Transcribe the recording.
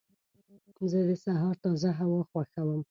زه د سهار تازه هوا خوښوم.